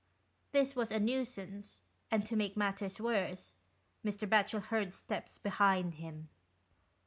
This was a nuisance, and to make matters worse, Mr. Batchel heard steps behind him.